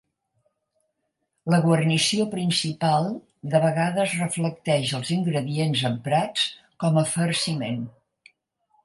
La guarnició principal de vegades reflecteix els ingredients emprats com a farciment.